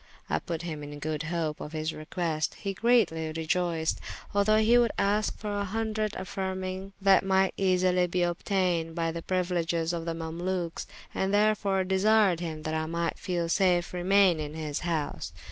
I put him in good hope of his request, he greatly reioyced, although he would ask for a hundred, affyrmyng that might easily be obteyned by the priuileges of the Mamalukes, and therefore desyred hym that I might safely remayne in his house.